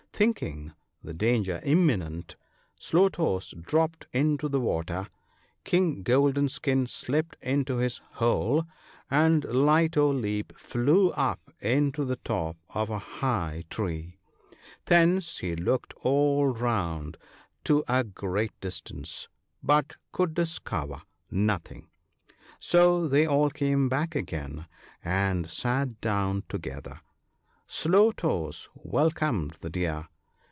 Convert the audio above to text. Thinking the danger imminent, Slow toes dropped into the water, King Golden skin slipped into his hole, and Light o' Leap flew up into the top of a high tree. Thence he looked all round to a great distance, but could discover nothing. So they all came back again, and sat down together. Slow toes welcomed the Deer.